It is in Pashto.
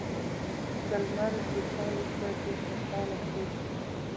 د لمر پیتاوي ته ډېر خوشحاله پروت دی.